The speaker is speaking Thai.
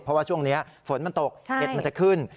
เพราะว่าช่วงนี้ฝนมันตกเห็ดมันจะขึ้น